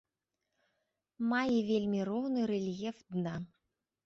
Мае вельмі роўны рэльеф дна.